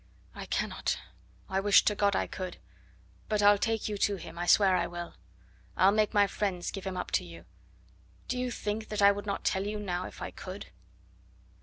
"I cannot; I wish to God I could. But I'll take you to him, I swear I will. I'll make my friends give him up to you. Do you think that I would not tell you now, if I could."